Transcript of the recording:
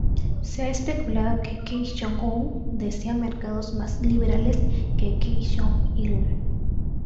Se ha especulado que Kim Jong-un desea mercados más liberales que Kim Jong-il.